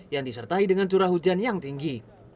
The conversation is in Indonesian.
yang disertai dengan curah hujan yang tinggi